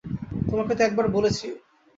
তোমাকে তো একবার বলেছি।